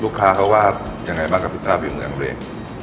ลูกค้าเขาว่าอย่างไรบ้างกับพิซซ่าฝีมืออังกฤษ